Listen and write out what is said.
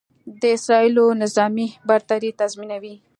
د اسرائیلو نظامي برتري تضیمنوي.